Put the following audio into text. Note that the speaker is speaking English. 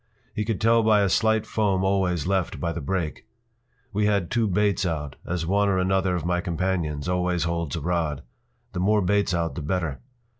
He could tell by a slight foam always left by the break. We had two baits out, as one or another of my companions always holds a rod. The more baits out the better!